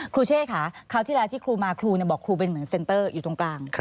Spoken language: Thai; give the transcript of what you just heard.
เช่ค่ะคราวที่แล้วที่ครูมาครูบอกครูเป็นเหมือนเซ็นเตอร์อยู่ตรงกลาง